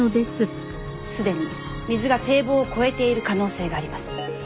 既に水が堤防を越えている可能性があります。